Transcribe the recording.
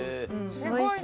おいしい。